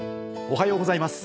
おはようございます。